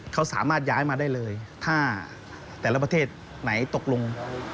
เขาสามารถย้ายมาได้เลยถ้าแต่ละประเทศไหนตกลง